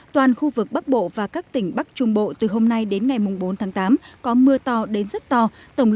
toàn khu vực bắc bộ và các tỉnh bắc trung bộ từ hôm nay đến ngày bốn tháng tám có mưa to đến rất to